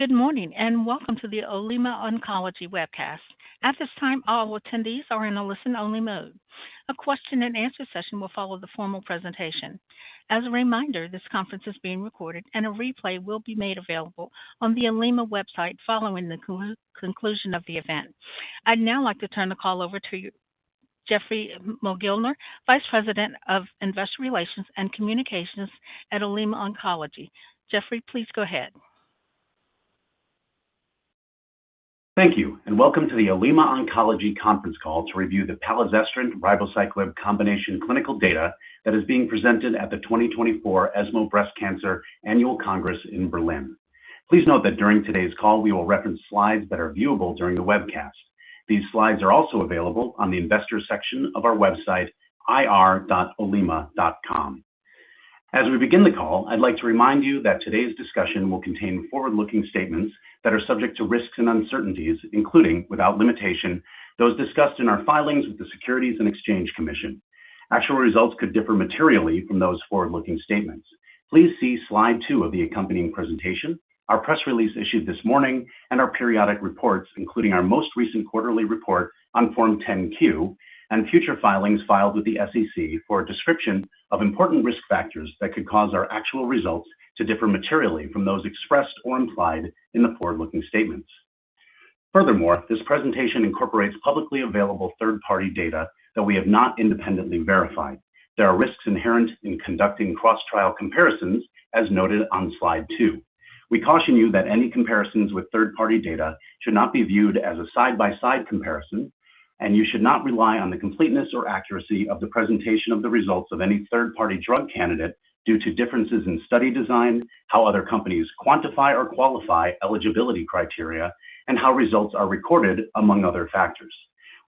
Good morning, and welcome to the Olema Oncology webcast. At this time, all attendees are in a listen-only mode. A question and answer session will follow the formal presentation. As a reminder, this conference is being recorded and a replay will be made available on the Olema website following the conclusion of the event. I'd now like to turn the call over to Geoffrey Mogilner, Vice President of Investor Relations and Communications at Olema Oncology. Geoffrey, please go ahead. Thank you, and welcome to the Olema Oncology conference call to review the palazestrant-ribociclib combination clinical data that is being presented at the 2024 ESMO Breast Cancer Annual Congress in Berlin. Please note that during today's call, we will reference slides that are viewable during the webcast. These slides are also available on the investor section of our website, ir.olema.com. As we begin the call, I'd like to remind you that today's discussion will contain forward-looking statements that are subject to risks and uncertainties, including, without limitation, those discussed in our filings with the Securities and Exchange Commission. Actual results could differ materially from those forward-looking statements. Please see slide two of the accompanying presentation, our press release issued this morning, and our periodic reports, including our most recent quarterly report on Form 10-Q and future filings filed with the SEC, for a description of important risk factors that could cause our actual results to differ materially from those expressed or implied in the forward-looking statements. Furthermore, this presentation incorporates publicly available third-party data that we have not independently verified. There are risks inherent in conducting cross-trial comparisons, as noted on slide two. We caution you that any comparisons with third-party data should not be viewed as a side-by-side comparison, and you should not rely on the completeness or accuracy of the presentation of the results of any third-party drug candidate due to differences in study design, how other companies quantify or qualify eligibility criteria, and how results are recorded, among other factors.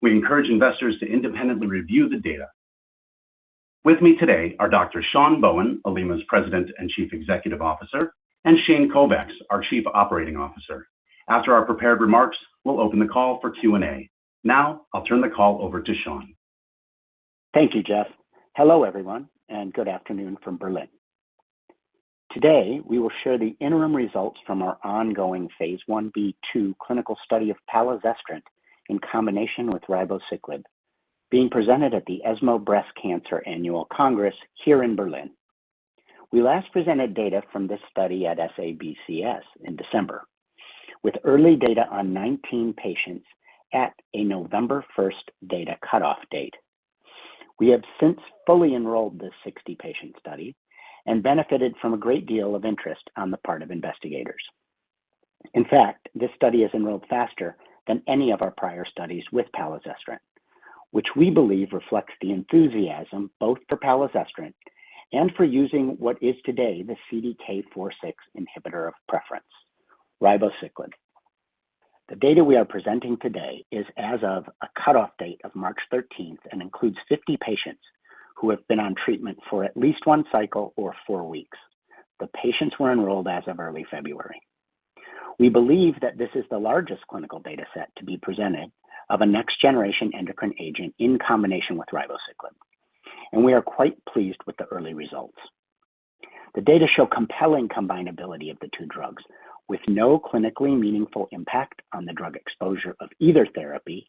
We encourage investors to independently review the data. With me today are Dr. Sean Bohen, Olema's President and Chief Executive Officer, and Shane Kovacs, our Chief Operating Officer. After our prepared remarks, we'll open the call for Q&A. Now, I'll turn the call over to Sean. Thank you, Jeff. Hello, everyone, and good afternoon from Berlin. Today, we will share the interim results from our ongoing phase 1b/2 clinical study of palazestrant in combination with ribociclib, being presented at the ESMO Breast Cancer Annual Congress here in Berlin. We last presented data from this study at SABCS in December, with early data on 19 patients at a November 1 data cutoff date. We have since fully enrolled this 60-patient study and benefited from a great deal of interest on the part of investigators. In fact, this study is enrolled faster than any of our prior studies with palazestrant, which we believe reflects the enthusiasm both for palazestrant and for using what is today the CDK4/6 inhibitor of preference, ribociclib. The data we are presenting today is as of a cutoff date of March 13 and includes 50 patients who have been on treatment for at least one cycle or four weeks. The patients were enrolled as of early February. We believe that this is the largest clinical data set to be presented of a next-generation endocrine agent in combination with ribociclib, and we are quite pleased with the early results. The data show compelling combinability of the two drugs, with no clinically meaningful impact on the drug exposure of either therapy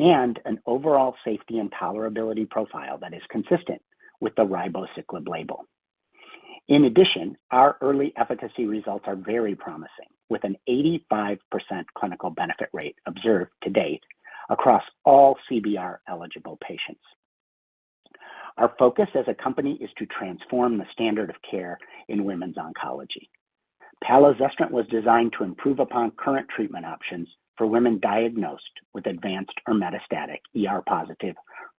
and an overall safety and tolerability profile that is consistent with the ribociclib label. In addition, our early efficacy results are very promising, with an 85% clinical benefit rate observed to date across all CBR-eligible patients. Our focus as a company is to transform the standard of care in women's oncology. Palazestrant was designed to improve upon current treatment options for women diagnosed with advanced or metastatic ER-positive,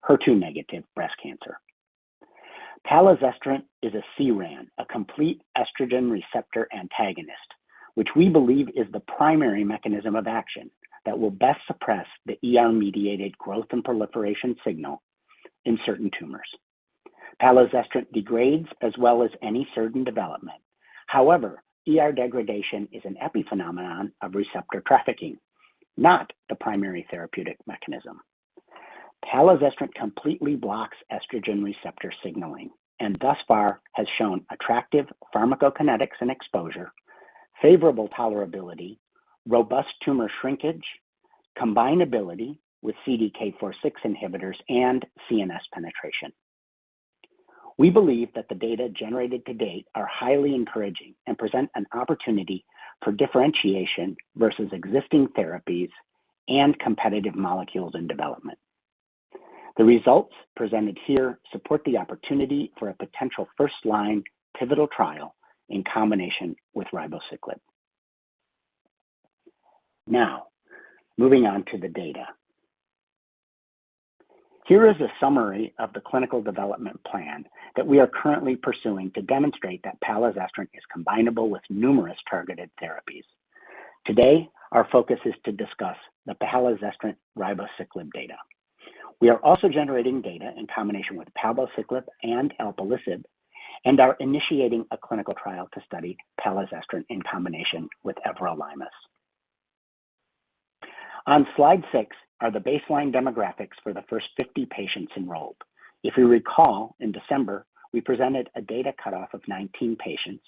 HER2-negative breast cancer. Palazestrant is a CERAN, a complete estrogen receptor antagonist, which we believe is the primary mechanism of action that will best suppress the ER-mediated growth and proliferation signal in certain tumors. Palazestrant degrades as well as any SERD in development. However, ER degradation is an epiphenomenon of receptor trafficking, not the primary therapeutic mechanism. Palazestrant completely blocks estrogen receptor signaling and thus far has shown attractive pharmacokinetics and exposure, favorable tolerability, robust tumor shrinkage, combinability with CDK4/6 inhibitors, and CNS penetration. We believe that the data generated to date are highly encouraging and present an opportunity for differentiation versus existing therapies and competitive molecules in development. The results presented here support the opportunity for a potential first-line pivotal trial in combination with ribociclib. Now, moving on to the data. Here is a summary of the clinical development plan that we are currently pursuing to demonstrate that palazestrant is combinable with numerous targeted therapies. Today, our focus is to discuss the palazestrant ribociclib data. We are also generating data in combination with palbociclib and alpelisib and are initiating a clinical trial to study palazestrant in combination with everolimus. On slide 6 are the baseline demographics for the first 50 patients enrolled. If you recall, in December, we presented a data cutoff of 19 patients,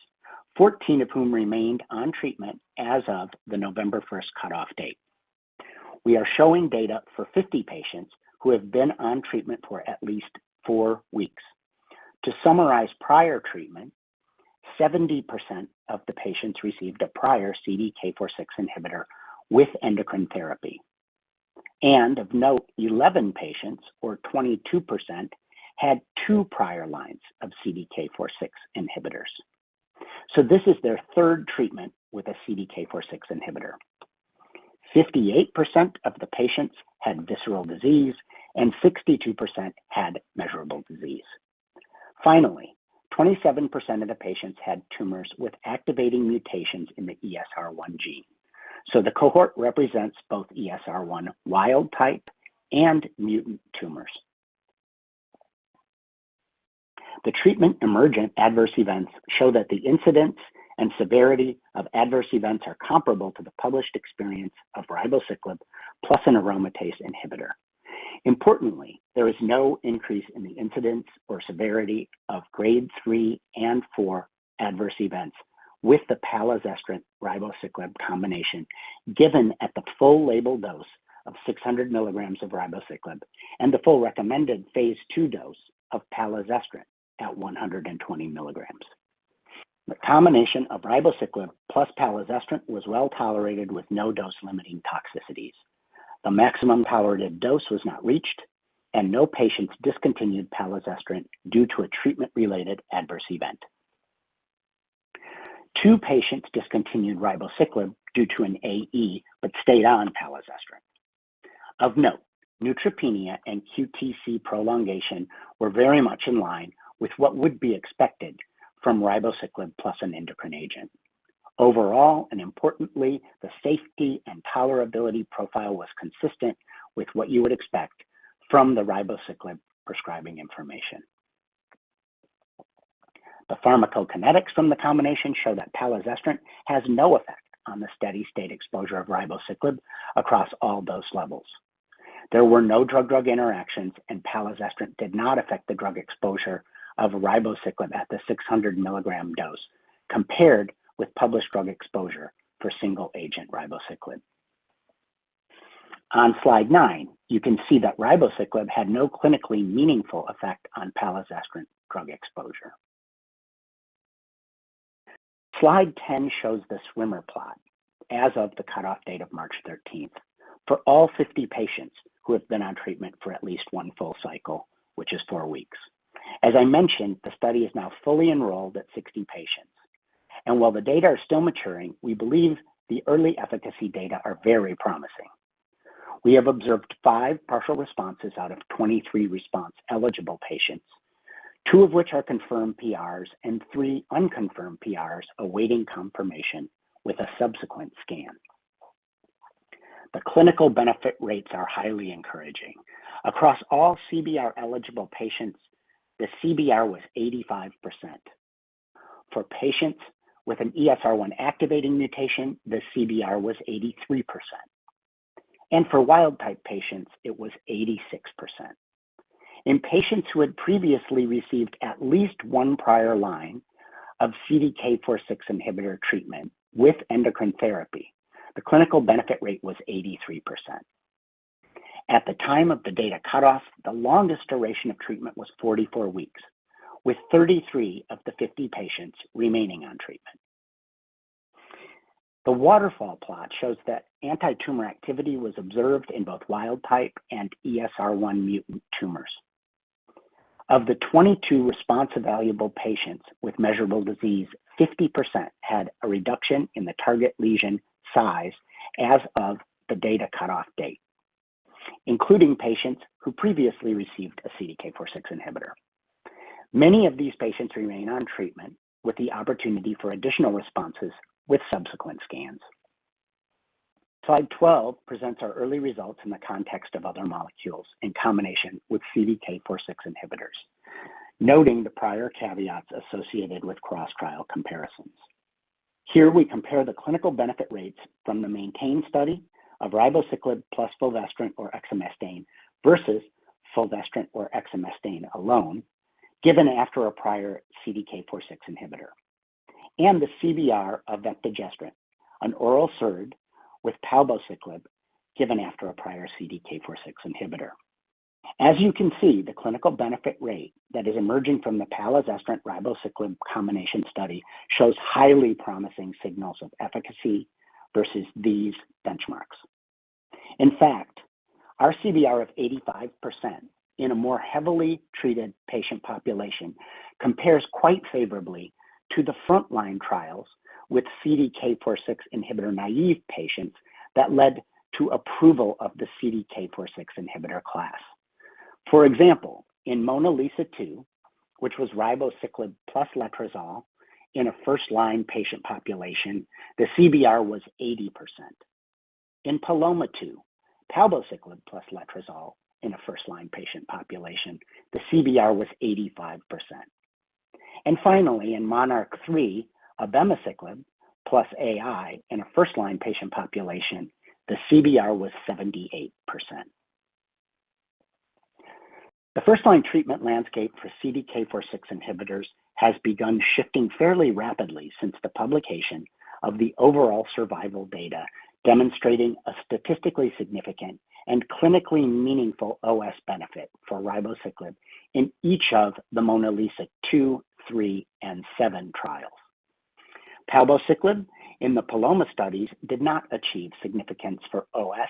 14 of whom remained on treatment as of the November 1 cutoff date. We are showing data for 50 patients who have been on treatment for at least 4 weeks. To summarize prior treatment, 70% of the patients received a prior CDK4/6 inhibitor with endocrine therapy. And of note, 11 patients, or 22%, had two prior lines of CDK4/6 inhibitors. So this is their third treatment with a CDK4/6 inhibitor. 58% of the patients had visceral disease and 62% had measurable disease. Finally, 27% of the patients had tumors with activating mutations in the ESR1 gene. So the cohort represents both ESR1 wild type and mutant tumors. The treatment emergent adverse events show that the incidence and severity of adverse events are comparable to the published experience of ribociclib, plus an aromatase inhibitor. Importantly, there is no increase in the incidence or severity of grade three and four adverse events with the palazestrant ribociclib combination, given at the full label dose of 600 milligrams of ribociclib and the full recommended phase II dose of palazestrant at 120 milligrams. The combination of ribociclib plus palazestrant was well-tolerated with no dose-limiting toxicities. The maximum tolerated dose was not reached, and no patients discontinued palazestrant due to a treatment-related adverse event. Two patients discontinued ribociclib due to an AE, but stayed on palazestrant. Of note, neutropenia and QTc prolongation were very much in line with what would be expected from ribociclib plus an endocrine agent. Overall, and importantly, the safety and tolerability profile was consistent with what you would expect from the ribociclib prescribing information. The pharmacokinetics from the combination show that palazestrant has no effect on the steady-state exposure of ribociclib across all dose levels. There were no drug-drug interactions, and palazestrant did not affect the drug exposure of ribociclib at the 600-milligram dose, compared with published drug exposure for single-agent ribociclib. On slide nine, you can see that ribociclib had no clinically meaningful effect on palazestrant drug exposure. Slide 10 shows the swimmer plot as of the cutoff date of March 13th for all 50 patients who have been on treatment for at least one full cycle, which is four weeks. As I mentioned, the study is now fully enrolled at 60 patients, and while the data are still maturing, we believe the early efficacy data are very promising. We have observed five partial responses out of 23 response-eligible patients, two of which are confirmed PRs and three unconfirmed PRs awaiting confirmation with a subsequent scan. The clinical benefit rates are highly encouraging. Across all CBR-eligible patients, the CBR was 85%. For patients with an ESR1 activating mutation, the CBR was 83%, and for wild type patients, it was 86%. In patients who had previously received at least one prior line of CDK4/6 inhibitor treatment with endocrine therapy, the clinical benefit rate was 83%. At the time of the data cutoff, the longest duration of treatment was 44 weeks, with 33 of the 50 patients remaining on treatment. The waterfall plot shows that antitumor activity was observed in both wild type and ESR1 mutant tumors. Of the 22 response evaluable patients with measurable disease, 50% had a reduction in the target lesion size as of the data cutoff date, including patients who previously received a CDK4/6 inhibitor. Many of these patients remain on treatment with the opportunity for additional responses with subsequent scans. Slide 12 presents our early results in the context of other molecules in combination with CDK4/6 inhibitors, noting the prior caveats associated with cross-trial comparisons. Here, we compare the clinical benefit rates from the MAINTAIN study of ribociclib plus fulvestrant or exemestane versus fulvestrant or exemestane alone, given after a prior CDK4/6 inhibitor, and the CBR of vepdegestrant, an oral SERD, with palbociclib, given after a prior CDK4/6 inhibitor. As you can see, the clinical benefit rate that is emerging from the palazestrant-ribociclib combination study shows highly promising signals of efficacy versus these benchmarks. In fact, our CBR of 85% in a more heavily treated patient population compares quite favorably to the frontline trials with CDK4/6 inhibitor-naive patients that led to approval of the CDK4/6 inhibitor class. For example, in MONALEESA-2, which was ribociclib plus letrozole in a first-line patient population, the CBR was 80%. In PALOMA-2, palbociclib plus letrozole in a first-line patient population, the CBR was 85%.... Finally, in MONARCH-3, abemaciclib plus AI in a first-line patient population, the CBR was 78%. The first-line treatment landscape for CDK4/6 inhibitors has begun shifting fairly rapidly since the publication of the overall survival data, demonstrating a statistically significant and clinically meaningful OS benefit for ribociclib in each of the MONALEESA-2, 3, and 7 trials. Palbociclib in the PALOMA studies did not achieve significance for OS,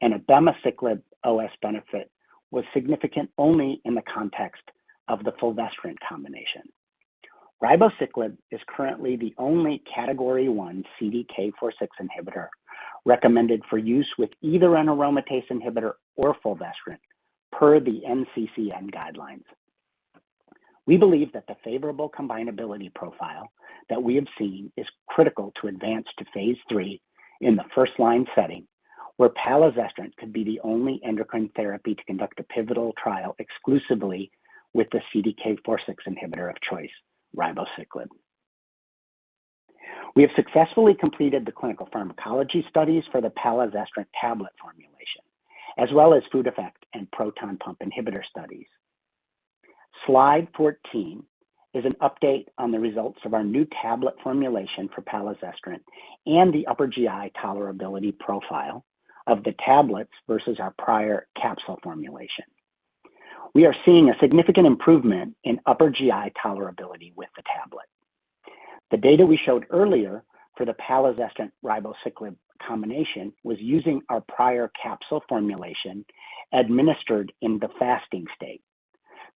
and abemaciclib OS benefit was significant only in the context of the fulvestrant combination. Ribociclib is currently the only category one CDK4/6 inhibitor recommended for use with either an aromatase inhibitor or fulvestrant per the NCCN guidelines. We believe that the favorable combinability profile that we have seen is critical to advance to phase III in the first-line setting, where palazestrant could be the only endocrine therapy to conduct a pivotal trial exclusively with the CDK4/6 inhibitor of choice, ribociclib. We have successfully completed the clinical pharmacology studies for the palazestrant tablet formulation, as well as food effect and proton pump inhibitor studies. Slide 14 is an update on the results of our new tablet formulation for palazestrant and the upper GI tolerability profile of the tablets versus our prior capsule formulation. We are seeing a significant improvement in upper GI tolerability with the tablet. The data we showed earlier for the palazestrant-ribociclib combination was using our prior capsule formulation, administered in the fasting state.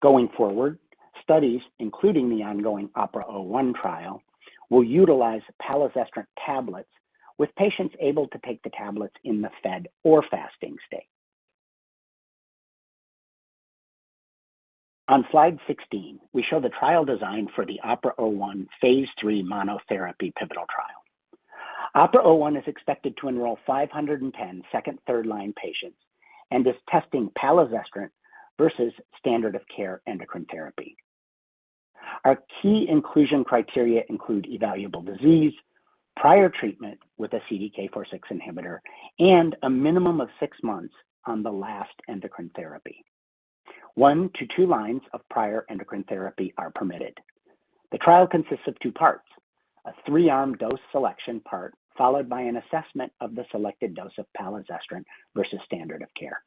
Going forward, studies, including the ongoing OPERA-01 trial, will utilize palazestrant tablets, with patients able to take the tablets in the fed or fasting state. On slide 16, we show the trial design for the OPERA-01 phase III monotherapy pivotal trial. OPERA-01 is expected to enroll 510 second/third-line patients and is testing palazestrant versus standard of care endocrine therapy. Our key inclusion criteria include evaluable disease, prior treatment with a CDK4/6 inhibitor, and a minimum of 6 months on the last endocrine therapy. One to two lines of prior endocrine therapy are permitted. The trial consists of two parts: a 3-arm dose selection part, followed by an assessment of the selected dose of palazestrant versus standard of care.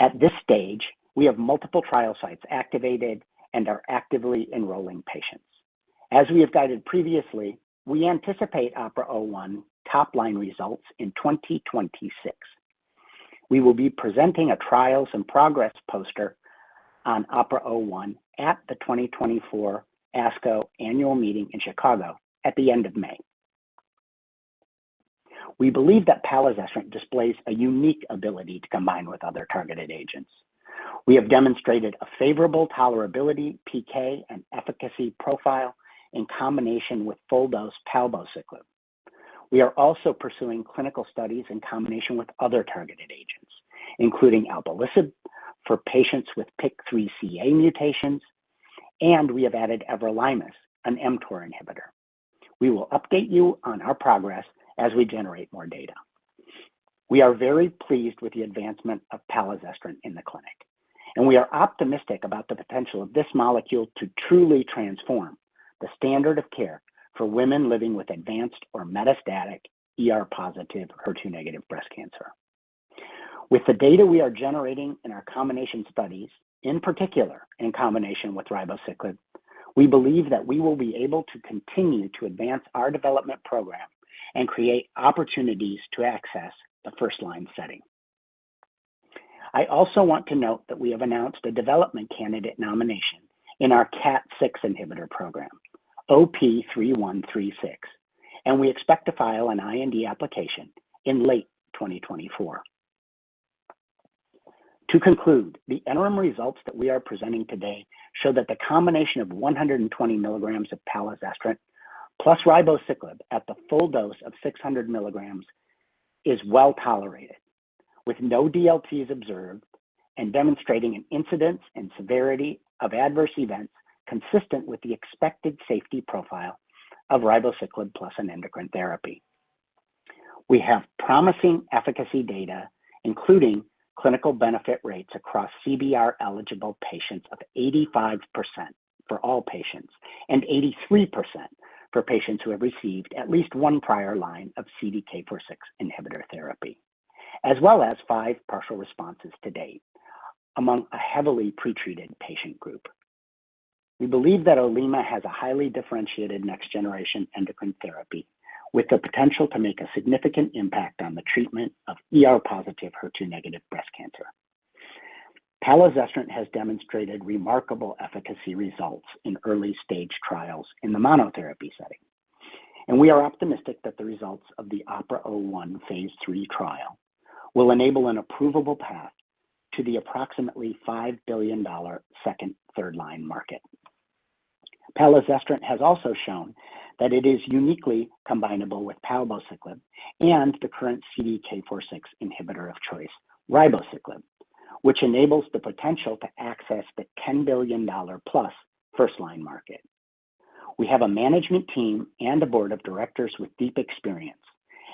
At this stage, we have multiple trial sites activated and are actively enrolling patients. As we have guided previously, we anticipate OPERA-01 top-line results in 2026. We will be presenting a trials and progress poster on OPERA-01 at the 2024 ASCO Annual Meeting in Chicago at the end of May. We believe that palazestrant displays a unique ability to combine with other targeted agents. We have demonstrated a favorable tolerability, PK, and efficacy profile in combination with full-dose palbociclib. We are also pursuing clinical studies in combination with other targeted agents, including alpelisib, for patients with PIK3CA mutations, and we have added everolimus, an mTOR inhibitor. We will update you on our progress as we generate more data. We are very pleased with the advancement of palazestrant in the clinic, and we are optimistic about the potential of this molecule to truly transform the standard of care for women living with advanced or metastatic ER-positive, HER2-negative breast cancer. With the data we are generating in our combination studies, in particular, in combination with ribociclib, we believe that we will be able to continue to advance our development program and create opportunities to access the first-line setting. I also want to note that we have announced a development candidate nomination in our KAT6 inhibitor program, OP-3136, and we expect to file an IND application in late 2024. To conclude, the interim results that we are presenting today show that the combination of 120 milligrams of palazestrant plus ribociclib at the full dose of 600 milligrams is well tolerated, with no DLTs observed and demonstrating an incidence and severity of adverse events consistent with the expected safety profile of ribociclib plus an endocrine therapy. We have promising efficacy data, including clinical benefit rates across CBR-eligible patients of 85% for all patients and 83% for patients who have received at least one prior line of CDK4/6 inhibitor therapy, as well as 5 partial responses to date among a heavily pretreated patient group. We believe that Olema has a highly differentiated next-generation endocrine therapy with the potential to make a significant impact on the treatment of ER-positive, HER2-negative breast cancer. Palazestrant has demonstrated remarkable efficacy results in early-stage trials in the monotherapy setting, and we are optimistic that the results of the OPERA-01 phase III trial will enable an approvable path to the approximately $5 billion second third-line market. Palazestrant has also shown that it is uniquely combinable with palbociclib and the current CDK4/6 inhibitor of choice, ribociclib, which enables the potential to access the $10 billion plus first-line market. We have a management team and a board of directors with deep experience,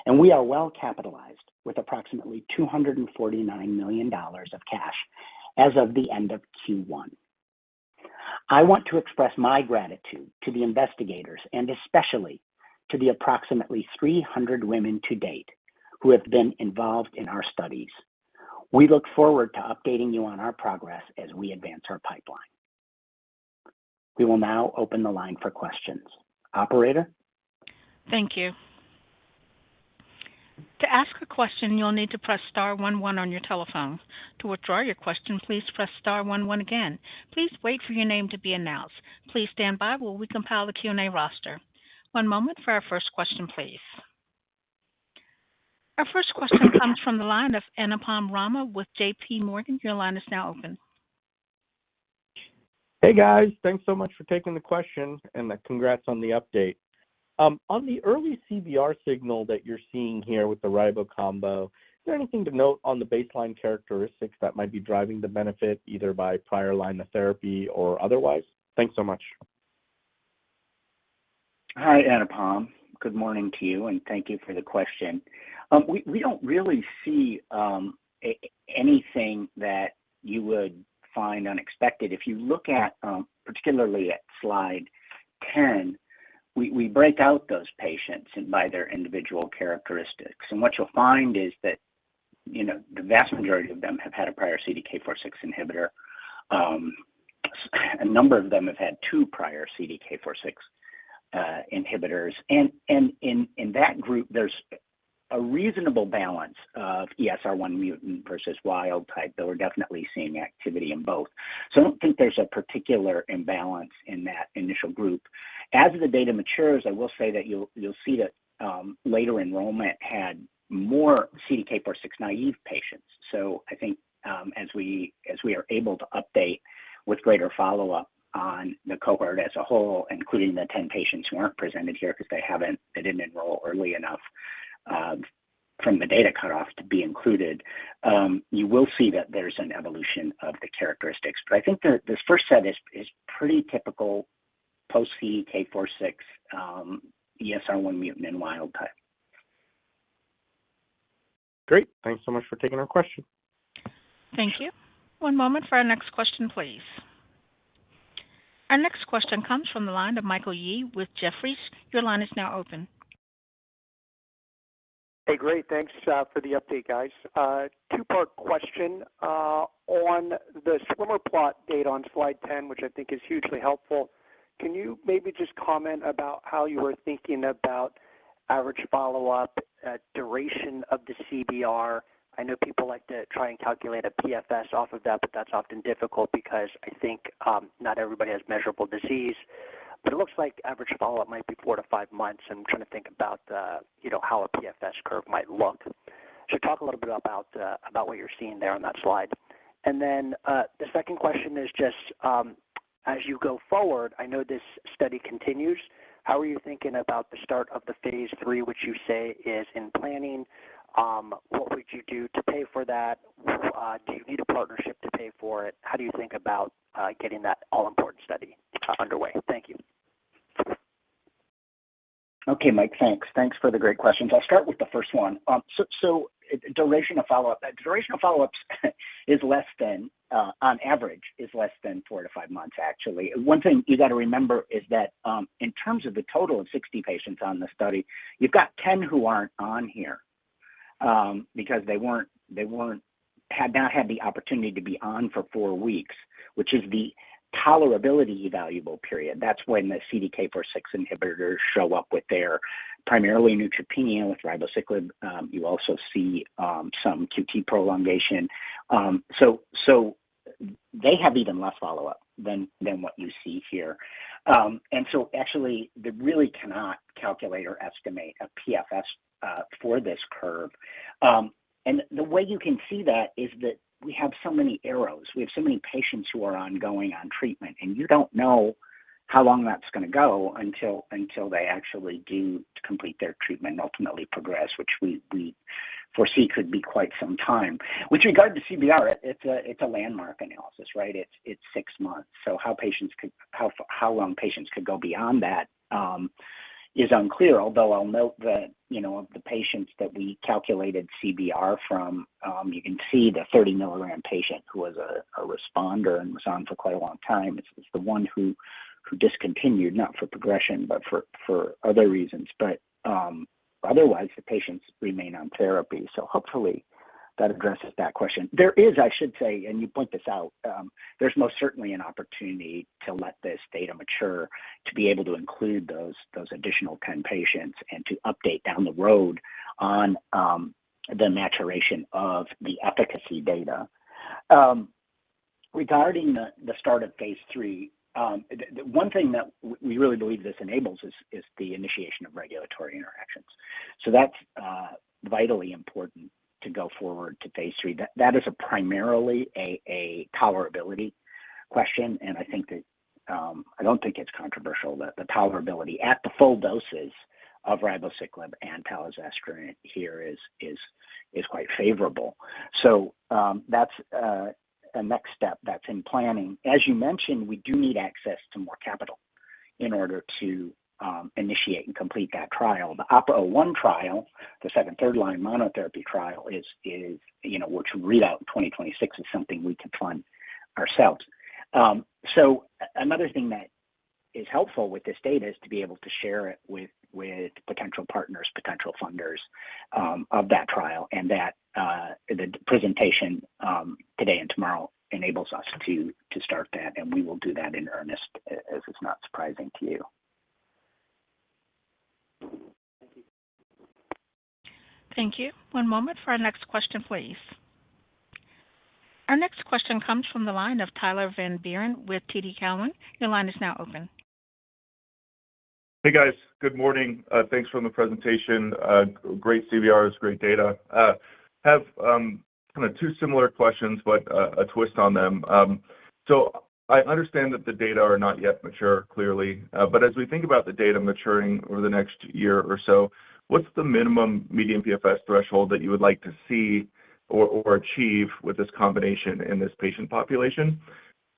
and we are well capitalized with approximately $249 million of cash as of the end of Q1. I want to express my gratitude to the investigators and especially to the approximately 300 women to date who have been involved in our studies. We look forward to updating you on our progress as we advance our pipeline. We will now open the line for questions. Operator? Thank you. To ask a question, you'll need to press star one, one on your telephone. To withdraw your question, please press star one, one again. Please wait for your name to be announced. Please stand by while we compile the Q&A roster. One moment for our first question, please. Our first question comes from the line of Anupam Rama with JPMorgan. Your line is now open. Hey, guys, thanks so much for taking the question and congrats on the update. On the early CBR signal that you're seeing here with the ribo combo, is there anything to note on the baseline characteristics that might be driving the benefit, either by prior line of therapy or otherwise? Thanks so much. Hi, Anupam. Good morning to you, and thank you for the question. We don't really see anything that you would find unexpected. If you look at, particularly at slide 10, we break out those patients and by their individual characteristics. And what you'll find is that, you know, the vast majority of them have had a prior CDK4/6 inhibitor. A number of them have had two prior CDK4/6 inhibitors. And in that group, there's a reasonable balance of ESR1 mutant versus wild type, though we're definitely seeing activity in both. So I don't think there's a particular imbalance in that initial group. As the data matures, I will say that you'll see that later enrollment had more CDK4/6 naive patients. So I think, as we are able to update with greater follow-up on the cohort as a whole, including the 10 patients who aren't presented here, because they didn't enroll early enough, from the data cut-off to be included, you will see that there's an evolution of the characteristics, but I think this first set is pretty typical post CDK4/6, ESR1 mutant and wild type. Great. Thanks so much for taking our question. Thank you. One moment for our next question, please. Our next question comes from the line of Michael Yee with Jefferies. Your line is now open. Hey, great, thanks, for the update, guys. Two-part question, on the swimmer plot data on slide 10, which I think is hugely helpful. Can you maybe just comment about how you were thinking about average follow-up, duration of the CBR? I know people like to try and calculate a PFS off of that, but that's often difficult because I think, not everybody has measurable disease. But it looks like average follow-up might be four to five months. I'm trying to think about the, you know, how a PFS curve might look. So talk a little bit about what you're seeing there on that slide. And then, the second question is just, as you go forward, I know this study continues. How are you thinking about the start of the phase III, which you say is in planning? What would you do to pay for that? Do you need a partnership to pay for it? How do you think about getting that all-important study underway? Thank you. Okay, Mike, thanks. Thanks for the great questions. I'll start with the first one. So duration of follow-up. Duration of follow-ups is less than, on average, less than four to five months, actually. One thing you got to remember is that, in terms of the total of 60 patients on the study, you've got 10 who aren't on here, because they had not had the opportunity to be on for four weeks, which is the tolerability evaluable period. That's when the CDK4/6 inhibitors show up with their primarily neutropenia. With ribociclib, you also see some QT prolongation. So they have even less follow-up than what you see here. And so actually, they really cannot calculate or estimate a PFS for this curve. And the way you can see that is that we have so many arrows. We have so many patients who are ongoing on treatment, and you don't know how long that's gonna go until they actually do complete their treatment and ultimately progress, which we foresee could be quite some time. With regard to CBR, it's a landmark analysis, right? It's six months. So how long patients could go beyond that is unclear. Although I'll note that, you know, the patients that we calculated CBR from, you can see the 30 milligram patient who was a responder and was on for quite a long time, it's the one who discontinued, not for progression, but for other reasons. But otherwise, the patients remain on therapy. So hopefully that addresses that question. There is, I should say, and you point this out, there's most certainly an opportunity to let this data mature, to be able to include those additional 10 patients and to update down the road on the maturation of the efficacy data. Regarding the start of phase III, the one thing that we really believe this enables is the initiation of regulatory interactions. So that's vitally important to go forward to phase III. That is primarily a tolerability question, and I think that I don't think it's controversial that the tolerability at the full doses of ribociclib and palbociclib here is quite favorable. So that's a next step that's in planning. As you mentioned, we do need access to more capital in order to initiate and complete that trial. The OPERA-01 trial, the second- and third-line monotherapy trial, is, you know, which readout in 2026 is something we could fund ourselves. So another thing that is helpful with this data is to be able to share it with potential partners, potential funders of that trial, and that the presentation today and tomorrow enables us to start that, and we will do that in earnest, as it's not surprising to you. Thank you. One moment for our next question, please. Our next question comes from the line of Tyler Van Buren with TD Cowen. Your line is now open. Hey, guys. Good morning. Thanks for the presentation. Great CVRs, great data. Have kind of two similar questions, but a twist on them. So I understand that the data are not yet mature, clearly, but as we think about the data maturing over the next year or so, what's the minimum median PFS threshold that you would like to see or achieve with this combination in this patient population?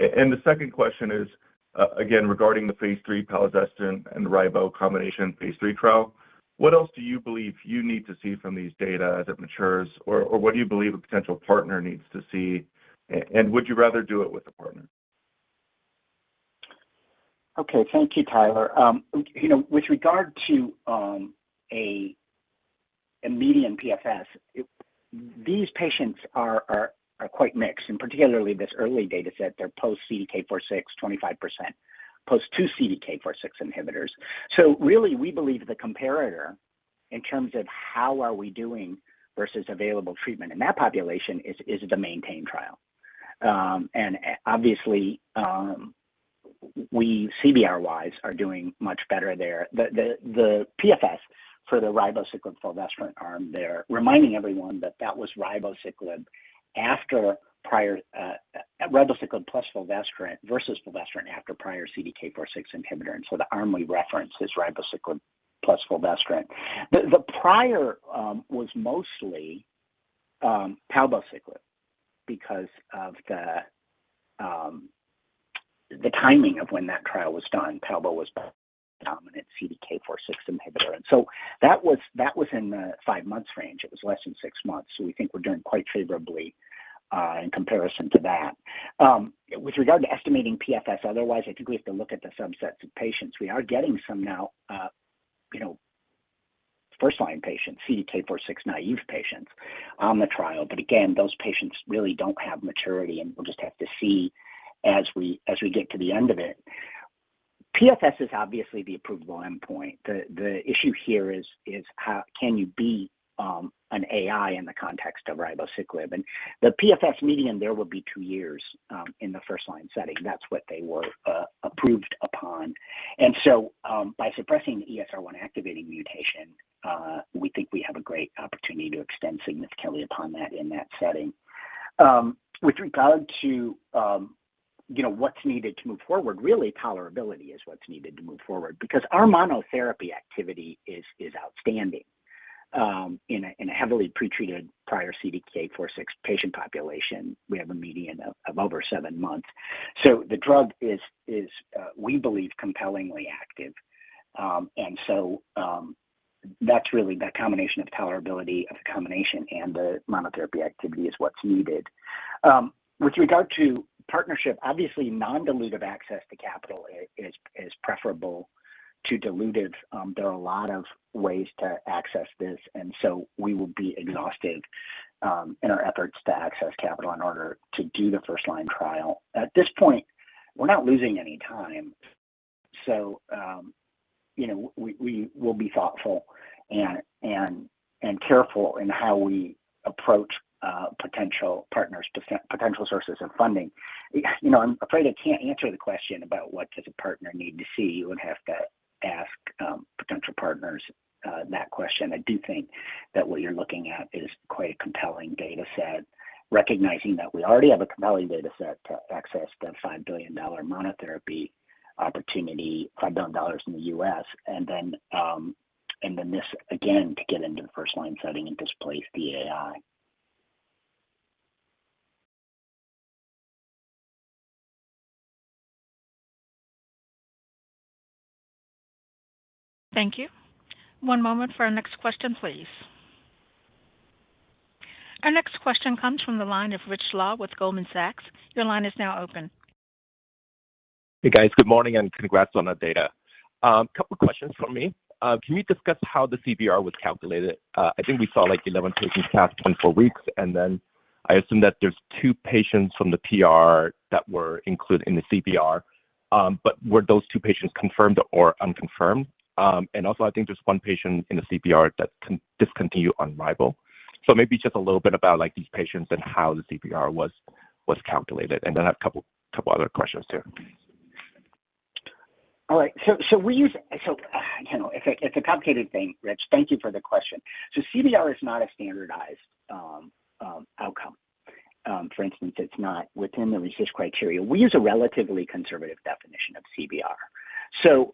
And the second question is, again, regarding the phase 3 palbociclib and ribo combination phase III trial, what else do you believe you need to see from these data as it matures, or what do you believe a potential partner needs to see? And would you rather do it with a partner? Okay. Thank you, Tyler. You know, with regard to a median PFS, these patients are quite mixed, and particularly this early data set, they're post-CDK4/6, 25%, post two CDK4/6 inhibitors. So really, we believe the comparator in terms of how are we doing versus available treatment in that population is the MONALEESA trial. And obviously, CBR-wise, we are doing much better there. The PFS for the ribociclib fulvestrant arm there, reminding everyone that that was ribociclib after prior ribociclib plus fulvestrant versus fulvestrant after prior CDK4/6 inhibitor, and so the arm we referenced is ribociclib plus fulvestrant. The prior was mostly palbociclib because of the timing of when that trial was done. Palbo was the dominant CDK 4/6 inhibitor, and so that was in the 5-month range. It was less than six months, so we think we're doing quite favorably in comparison to that. With regard to estimating PFS, otherwise, I think we have to look at the subsets of patients. We are getting some now, you know, first-line patients, CDK 4/6-naive patients on the trial. But again, those patients really don't have maturity, and we'll just have to see as we get to the end of it. PFS is obviously the approvable endpoint. The issue here is how can you be an AI in the context of ribociclib? And the PFS median there will be 2two years in the first-line setting. That's what they were approved upon. By suppressing ESR1 activating mutation, we think we have a great opportunity to extend significantly upon that in that setting. With regard to, you know, what's needed to move forward, really, tolerability is what's needed to move forward, because our monotherapy activity is outstanding. In a heavily pretreated prior CDK4/6 patient population, we have a median of over seven months. So the drug is, we believe, compellingly active. And so, that's really the combination of tolerability of the combination and the monotherapy activity is what's needed. With regard to partnership, obviously non-dilutive access to capital is preferable to dilutive. There are a lot of ways to access this, and so we will be exhaustive in our efforts to access capital in order to do the first-line trial. At this point, we're not losing any time, so, you know, we will be thoughtful and careful in how we approach potential partners, potential sources of funding. You know, I'm afraid I can't answer the question about what does a partner need to see. You would have to ask potential partners that question. I do think that what you're looking at is quite a compelling data set, recognizing that we already have a compelling data set to access the $5 billion monotherapy opportunity, $5 billion in the U.S., and then this, again, to get into the first line setting and displace the AI. Thank you. One moment for our next question, please. Our next question comes from the line of Rich Law with Goldman Sachs. Your line is now open. Hey, guys. Good morning, and congrats on the data. A couple questions from me. Can you discuss how the CBR was calculated? I think we saw, like, 11 patients past 24 weeks, and then I assume that there's two patients from the PR that were included in the CBR. But were those two patients confirmed or unconfirmed? And also, I think there's one patient in the CBR that discontinued on ribo. So maybe just a little bit about, like, these patients and how the CBR was calculated, and then a couple other questions too. All right, you know, it's a complicated thing, Rich. Thank you for the question. So CBR is not a standardized outcome. For instance, it's not within the RECIST criteria. We use a relatively conservative definition of CBR. So,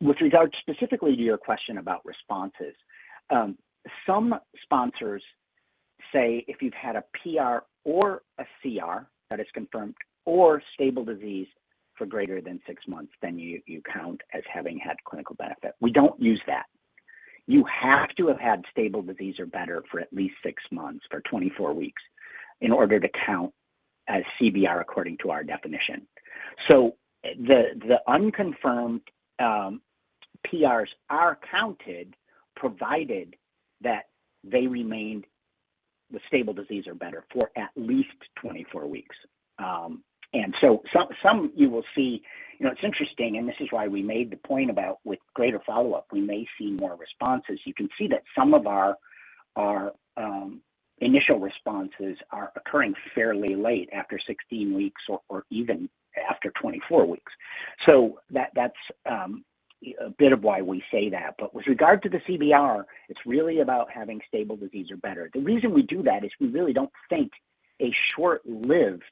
with regard specifically to your question about responses, some sponsors say if you've had a PR or a CR that is confirmed or stable disease for greater than six months, then you count as having had clinical benefit. We don't use that. You have to have had stable disease or better for at least six months or 24 weeks in order to count as CBR according to our definition. So the unconfirmed PRs are counted, provided that they remained with stable disease or better for at least 24 weeks. And so some you will see - you know, it's interesting, and this is why we made the point about with greater follow-up, we may see more responses. You can see that some of our initial responses are occurring fairly late, after 16 weeks or even after 24 weeks. So that's a bit of why we say that. But with regard to the CBR, it's really about having stable disease or better. The reason we do that is we really don't think a short-lived,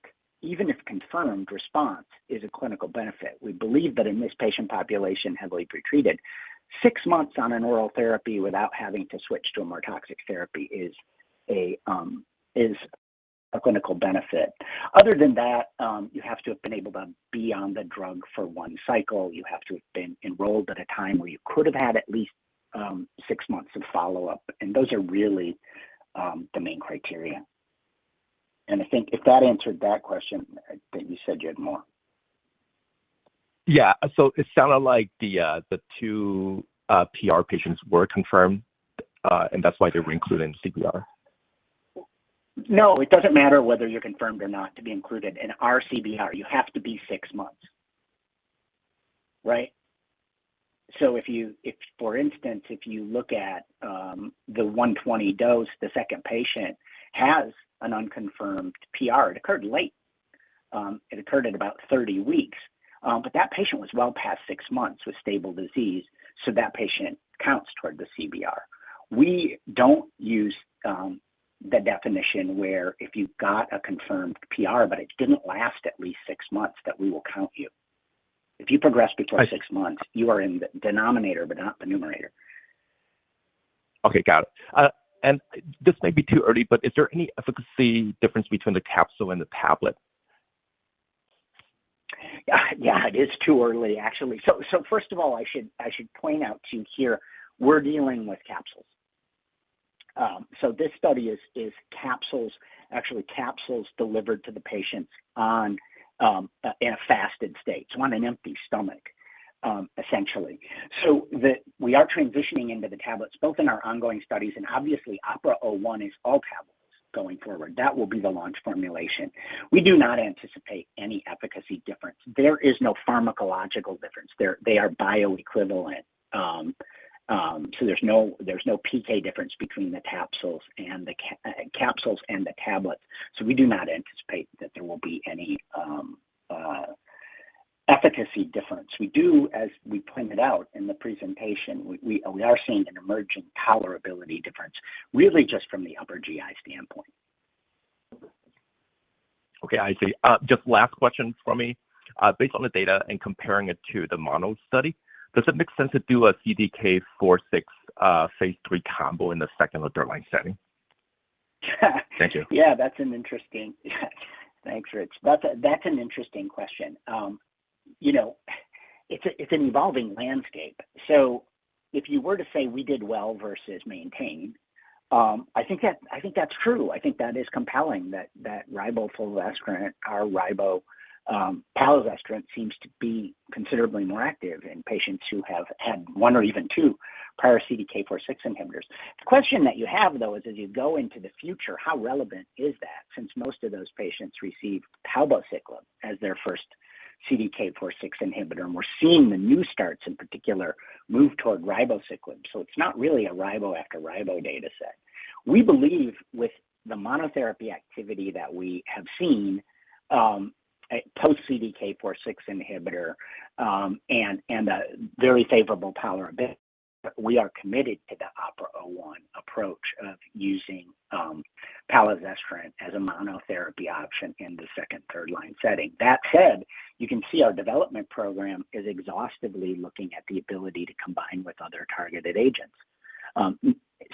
even if confirmed, response is a clinical benefit. We believe that in this patient population, heavily pretreated, six months on an oral therapy without having to switch to a more toxic therapy is a clinical benefit. Other than that, you have to have been able to be on the drug for one cycle. You have to have been enrolled at a time where you could have had at least six months of follow-up, and those are really the main criteria. I think if that answered that question, I think you said you had more. Yeah. So it sounded like the two PR patients were confirmed, and that's why they were included in CBR? No, it doesn't matter whether you're confirmed or not to be included. In our CBR, you have to be 6 months, right? So if you, if, for instance, if you look at, the 120 dose, the second patient has an unconfirmed PR. It occurred late, it occurred at about 30 weeks, but that patient was well past 6 months with stable disease, so that patient counts toward the CBR. We don't use, the definition where if you've got a confirmed PR, but it didn't last at least 6 months, that we will count you. If you progress before 6 months, you are in the denominator, but not the numerator. Okay, got it. This may be too early, but is there any efficacy difference between the capsule and the tablet? Yeah, it is too early, actually. So first of all, I should point out to you here, we're dealing with capsules. So this study is capsules, actually capsules delivered to the patients on, in a fasted state, so on an empty stomach, essentially. So the. - we are transitioning into the tablets, both in our ongoing studies and obviously OPERA-01 is all tablets going forward. That will be the launch formulation. We do not anticipate any efficacy difference. There is no pharmacological difference. They are bioequivalent. So there's no PK difference between the capsules and the capsules and the tablets, so we do not anticipate that there will be any efficacy difference. We do, as we pointed out in the presentation, we are seeing an emerging tolerability difference, really just from the upper GI standpoint. Okay, I see. Just last question for me. Based on the data and comparing it to the mono study, does it make sense to do a CDK4/6 phase III combo in the second or third line setting? Thank you. Yeah, that's an interesting. Thanks, Rich. That's an interesting question. You know, it's an evolving landscape. So if you were to say we did well versus maintained, I think that's true. I think that is compelling, that ribo fulvestrant, our ribo palazestrant, seems to be considerably more active in patients who have had one or even two prior CDK4/6 inhibitors. The question that you have, though, is as you go into the future, how relevant is that? Since most of those patients received palbociclib as their first CDK4/6 inhibitor, and we're seeing the new starts, in particular, move toward ribociclib. So it's not really a ribo after ribo dataset. We believe with the monotherapy activity that we have seen, post-CDK4/6 inhibitor, and a very favorable tolerability, we are committed to the OPERA-01 approach of using palazestrant as a monotherapy option in the second, third-line setting. That said, you can see our development program is exhaustively looking at the ability to combine with other targeted agents.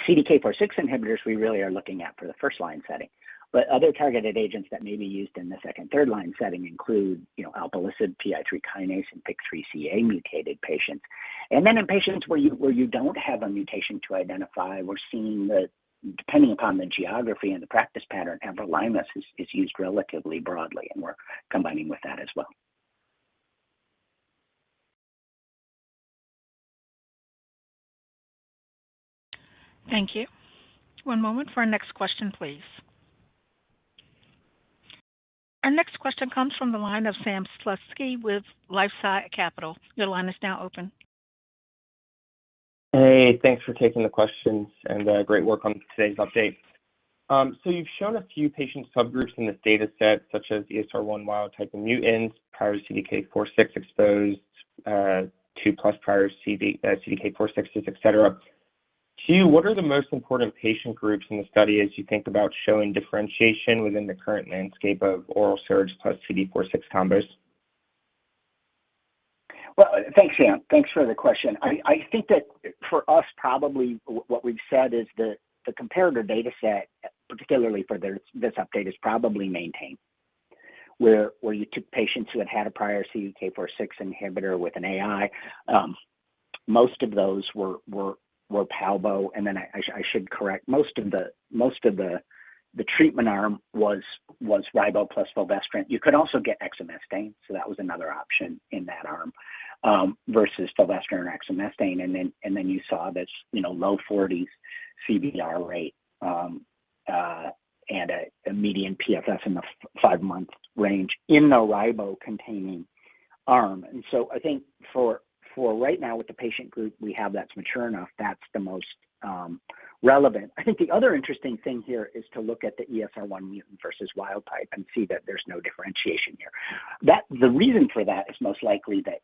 CDK4/6 inhibitors, we really are looking at for the first-line setting, but other targeted agents that may be used in the second, third-line setting include, you know, alpelisib, PI3 kinase, and PIK3CA-mutated patients. And then in patients where you don't have a mutation to identify, we're seeing that depending upon the geography and the practice pattern, everolimus is used relatively broadly, and we're combining with that as well. Thank you. One moment for our next question, please. Our next question comes from the line of Sam Slutsky with LifeSci Capital. Your line is now open. Hey, thanks for taking the questions, and, great work on today's update. So you've shown a few patient subgroups in this data set, such as ESR1 wild type and mutants, prior CDK4/6 exposed, two plus prior CDK4/6s, et cetera. To you, what are the most important patient groups in the study as you think about showing differentiation within the current landscape of oral SERD plus CDK4/6 combos? Well, thanks, Sam. Thanks for the question. I think that for us, probably what we've said is the comparator data set, particularly for this update, is probably maintained, where you took patients who had had a prior CDK4/6 inhibitor with an AI. Most of those were Palbo, and then I should correct, most of the treatment arm was Ribo plus Fulvestrant. You could also get Exemestane, so that was another option in that arm, versus Fulvestrant or Exemestane. And then you saw this, you know, low forties CBR rate, and a median PFS in the five-month range in the Ribo-containing arm. And so I think for right now, with the patient group we have that's mature enough, that's the most relevant. I think the other interesting thing here is to look at the ESR1 mutant versus wild type and see that there's no differentiation here. The reason for that is most likely that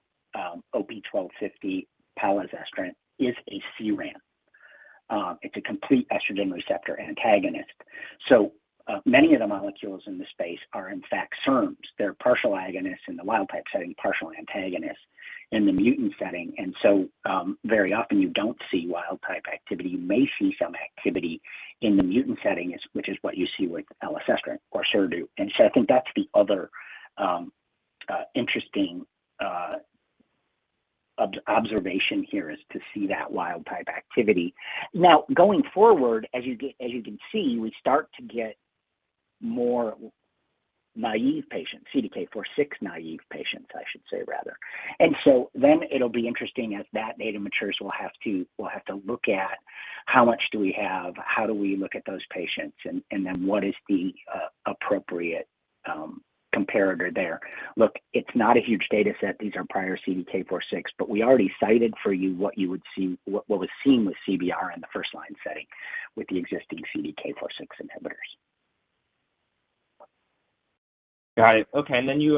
OP-1250 palazestrant is a CERAN. It's a complete estrogen receptor antagonist. So, many of the molecules in this space are in fact SERMs. They're partial agonists in the wild type setting, partial antagonists in the mutant setting. And so, very often you don't see wild type activity. You may see some activity in the mutant setting, is which is what you see with elacestrant or Orserdu. And so I think that's the other interesting observation here, is to see that wild type activity. Now, going forward, as you get as you can see, we start to get more naive patients, CDK4/6 naive patients, I should say, rather. And so then it'll be interesting as that data matures, we'll have to, we'll have to look at how much do we have, how do we look at those patients, and, and then what is the appropriate comparator there. Look, it's not a huge data set. These are prior CDK4/6, but we already cited for you what you would see, what, what was seen with CBR in the first line setting with the existing CDK4/6 inhibitors. Got it. Okay, and then you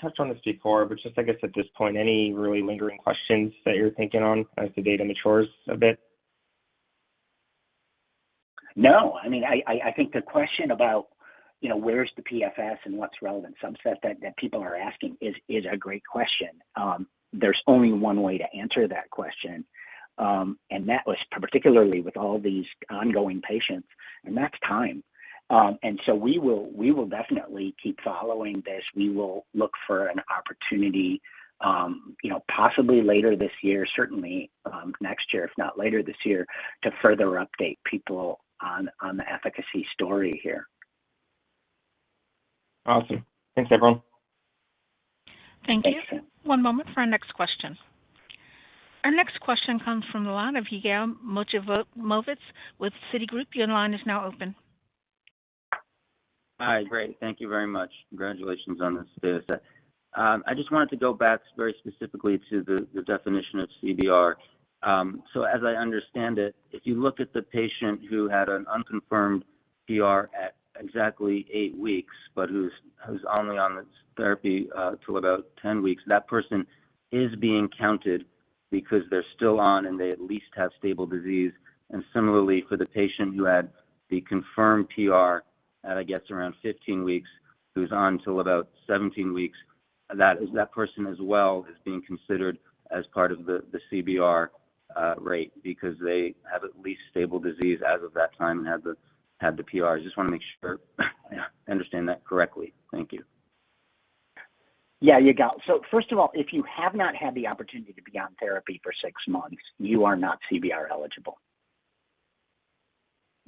touched on this before, but just I guess at this point, any really lingering questions that you're thinking on as the data matures a bit? No. I mean, I think the question about, you know, where's the PFS and what's relevant subset that people are asking is a great question. There's only one way to answer that question, and that was particularly with all these ongoing patients, and that's time. And so we will definitely keep following this. We will look for an opportunity, you know, possibly later this year, certainly next year, if not later this year, to further update people on the efficacy story here. Awesome. Thanks, everyone. Thank you. Thanks. One moment for our next question. Our next question comes from the line of Yigal Nochomovitz with Citigroup. Your line is now open. Hi, great. Thank you very much. Congratulations on this data set. I just wanted to go back very specifically to the definition of CBR. So as I understand it, if you look at the patient who had an unconfirmed PR at exactly eight weeks, but who's only on the therapy till about 10 weeks, that person is being counted because they're still on, and they at least have stable disease. And similarly, for the patient who had the confirmed PR at, I guess, around 15 weeks, who's on till about 17 weeks, that person as well is being considered as part of the CBR rate because they have at least stable disease as of that time and had the PR. I just wanna make sure I understand that correctly. Thank you. Yeah, you got it. So first of all, if you have not had the opportunity to be on therapy for six months, you are not CBR eligible.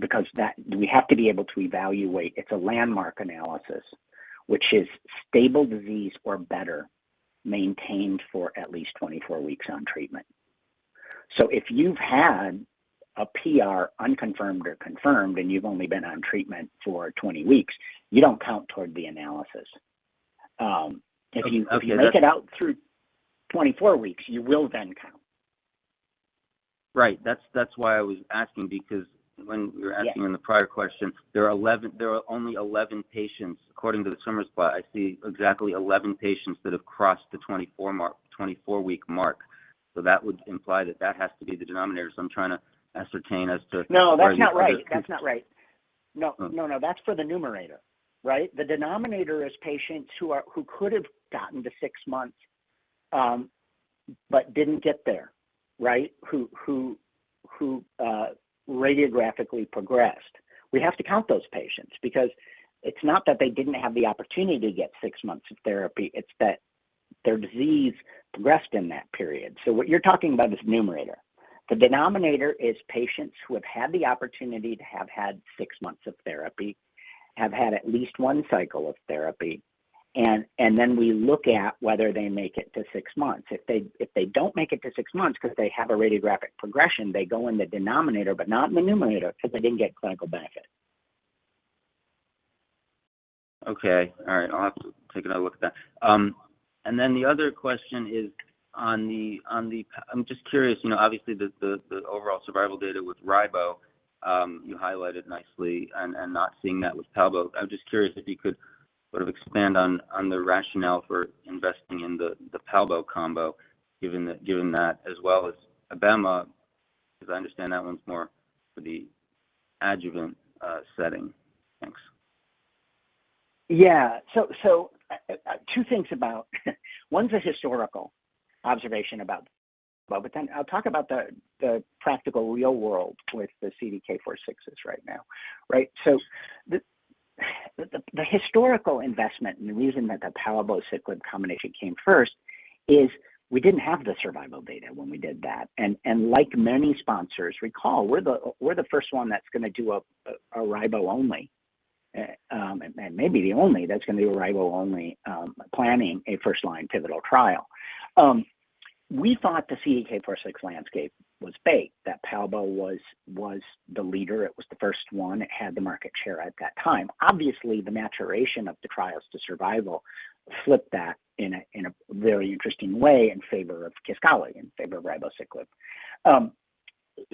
Because that - we have to be able to evaluate. It's a landmark analysis, which is stable disease or better maintained for at least 24 weeks on treatment. So if you've had a PR, unconfirmed or confirmed, and you've only been on treatment for 20 weeks, you don't count toward the analysis. If you- Okay. If you make it out through 24 weeks, you will then count. Right. That's why I was asking, because when you were asking- Yeah. In the prior question, there are 11 - there are only 11 patients. According to the summary spot, I see exactly 11 patients that have crossed the 24 mark, 24-week mark. So that would imply that that has to be the denominator. So I'm trying to ascertain as to - No, that's not right. That's not right. No. Oh. No, no, that's for the numerator, right? The denominator is patients who could have gotten to six months, but didn't get there, right? Who radiographically progressed. We have to count those patients because it's not that they didn't have the opportunity to get six months of therapy, it's that their disease progressed in that period. So what you're talking about is numerator. The denominator is patients who have had the opportunity to have had six months of therapy, have had at least one cycle of therapy, and then we look at whether they make it to six months. If they don't make it to six months because they have a radiographic progression, they go in the denominator, but not in the numerator because they didn't get clinical benefit. Okay. All right, I'll have to take another look at that. And then the other question is on the, on the-- I'm just curious, you know, obviously, the, the, the overall survival data with ribo, you highlighted nicely and, and not seeing that with palbo. I'm just curious if you could sort of expand on, on the rationale for investing in the, the palbo combo, given that, given that, as well as abema, as I understand, that one's more for the adjuvant setting. Thanks. Yeah. So, two things about, one's a historical observation about. But then I'll talk about the practical real world with the CDK4/6s right now, right? So the historical investment and the reason that the palbociclib combination came first is we didn't have the survival data when we did that. And like many sponsors, recall, we're the first one that's gonna do a ribo only, and maybe the only that's gonna do a ribo only, planning a first-line pivotal trial. We thought the CDK4/6 landscape was baked, that palbo was the leader. It was the first one. It had the market share at that time. Obviously, the maturation of the trials to survival flipped that in a very interesting way in favor of Kisqali, in favor of ribociclib.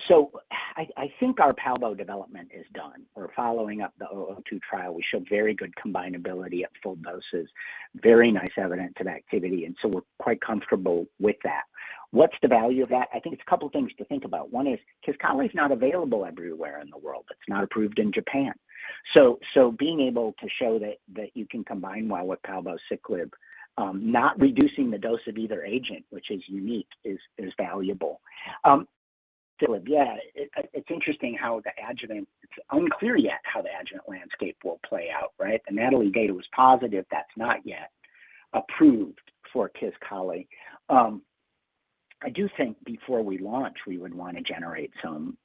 So I think our palbo development is done. We're following up the O02 trial. We showed very good combinability at full doses, very nice evidence of activity, and so we're quite comfortable with that. What's the value of that? I think it's a couple things to think about. One is, Kisqali is not available everywhere in the world. It's not approved in Japan. So being able to show that you can combine well with palbociclib, not reducing the dose of either agent, which is unique, is valuable. It's interesting how the adjuvant—it's unclear yet how the adjuvant landscape will play out, right? The NATALEE data was positive. That's not yet approved for Kisqali. I do think before we launch, we would want to generate some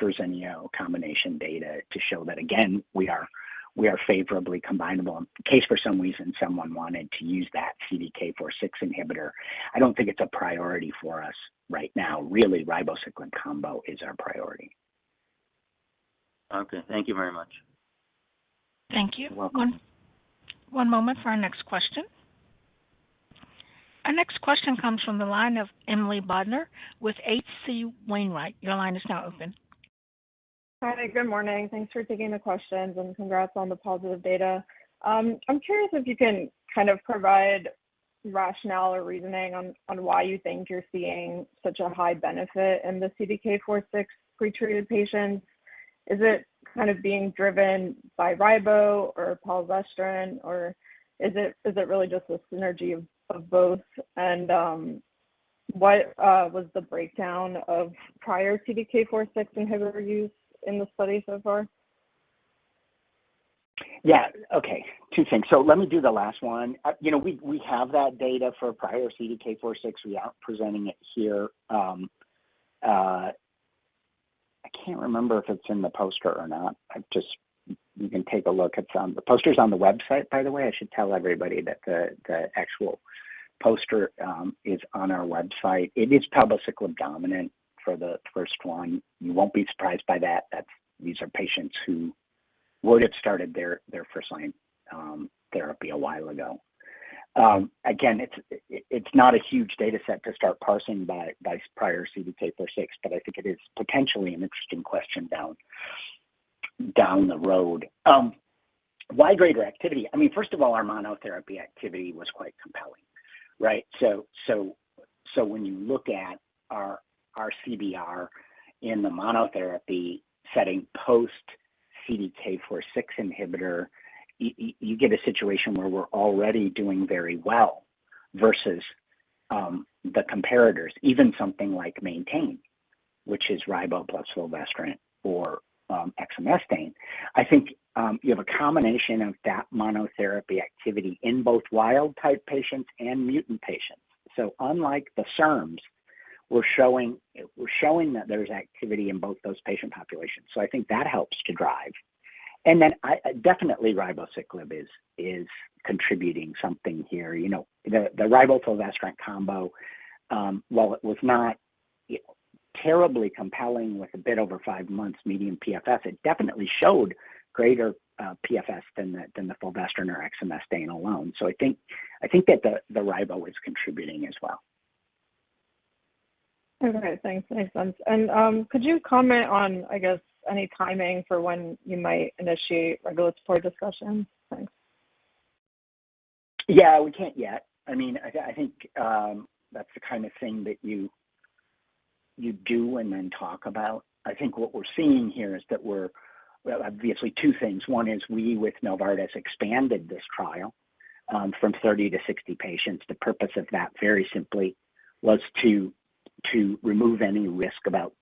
Verzenio combination data to show that again, we are favorably combinable in case for some reason someone wanted to use that CDK4/6 inhibitor. I don't think it's a priority for us right now. Really, ribociclib combo is our priority. Okay, thank you very much. Thank you. You're welcome. One moment for our next question. Our next question comes from the line of Emily Bodnar with H.C. Wainwright. Your line is now open. Hi, good morning. Thanks for taking the questions, and congrats on the positive data. I'm curious if you can kind of provide rationale or reasoning on why you think you're seeing such a high benefit in the CDK4/6 pretreated patients. Is it kind of being driven by ribo or fulvestrant, or is it really just a synergy of both? And, what was the breakdown of prior CDK4/6 inhibitor use in the study so far? Yeah. Okay, two things. So let me do the last one. You know, we have that data for prior CDK4/6. We aren't presenting it here. I can't remember if it's in the poster or not. I just... You can take a look at the poster's on the website, by the way. I should tell everybody that the actual poster is on our website. It is palbociclib dominant for the first one. You won't be surprised by that, that these are patients who would have started their first-line therapy a while ago. Again, it's not a huge data set to start parsing by prior CDK4/6, but I think it is potentially an interesting question down the road. Why greater activity? I mean, first of all, our monotherapy activity was quite compelling, right? So when you look at our CBR in the monotherapy setting, post CDK4/6 inhibitor, you get a situation where we're already doing very well versus the comparators, even something like maintenance, which is ribo plus fulvestrant or exemestane. I think you have a combination of that monotherapy activity in both wild type patients and mutant patients. So unlike the SERMs, we're showing that there's activity in both those patient populations. So I think that helps to drive. And then I definitely ribociclib is contributing something here. You know, the ribo/fulvestrant combo, while it was not terribly compelling with a bit over 5 months median PFS, it definitely showed greater PFS than the fulvestrant or exemestane alone. So I think that the ribo is contributing as well. Okay, thanks. Makes sense. And, could you comment on, I guess, any timing for when you might initiate regulatory discussions? Thanks. Yeah, we can't yet. I mean, I think that's the kind of thing that you do and then talk about. I think what we're seeing here is that we're - well, obviously two things. One is we, with Novartis, expanded this trial from 30 to 60 patients. The purpose of that, very simply, was to remove any risk about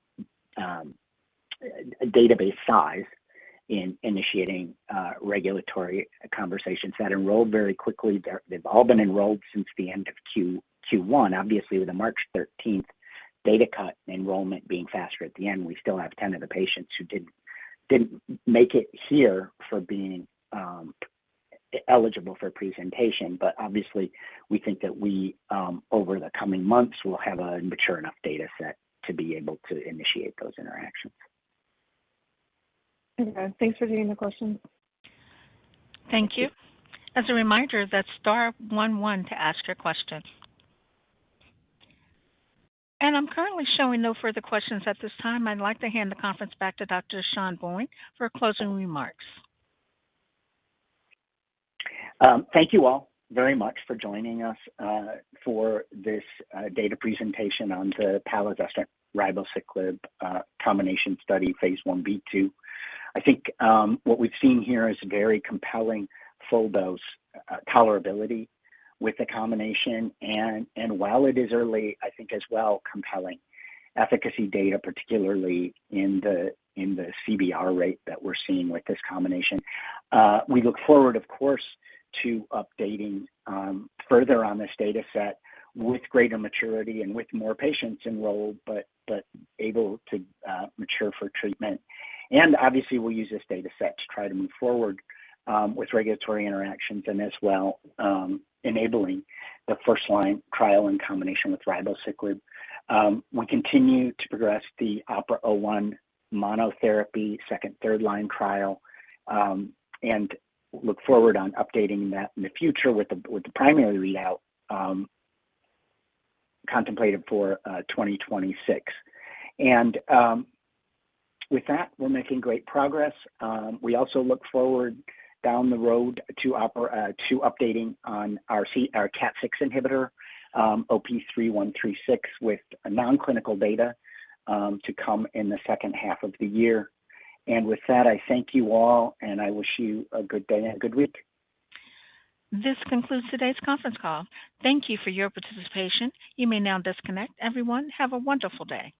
database size in initiating regulatory conversations. That enrolled very quickly. They've all been enrolled since the end of Q1. Obviously, with the March 13th data cut, enrollment being faster at the end, we still have 10 of the patients who didn't make it here for being eligible for presentation. But obviously, we think that we, over the coming months, will have a mature enough data set to be able to initiate those interactions. Okay, thanks for taking the question. Thank you. As a reminder, that's star one one to ask your question. I'm currently showing no further questions at this time. I'd like to hand the conference back to Dr. Sean Bohen for closing remarks. Thank you all very much for joining us for this data presentation on the palazestrant ribociclib combination study, phase 1b/2. I think what we've seen here is very compelling full dose tolerability with the combination. And while it is early, I think as well compelling efficacy data, particularly in the CBR rate that we're seeing with this combination. We look forward, of course, to updating further on this data set with greater maturity and with more patients enrolled, but able to mature for treatment. Obviously, we'll use this data set to try to move forward with regulatory interactions and as well enabling the first line trial in combination with ribociclib. We continue to progress the OPERA-01 monotherapy second, third line trial, and look forward to updating that in the future with the primary readout contemplated for 2026. With that, we're making great progress. We also look forward down the road to updating on our KAT6 inhibitor, OP-3136, with non-clinical data to come in the second half of the year. With that, I thank you all, and I wish you a good day and a good week. This concludes today's conference call. Thank you for your participation. You may now disconnect. Everyone, have a wonderful day.